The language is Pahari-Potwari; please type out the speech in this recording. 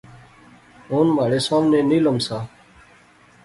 ہن مہاڑے ساونے نیلم سا